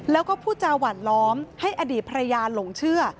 แล้วก็พูดจาหวานล้อมให้อดีตภรรยาหลงเชื่อ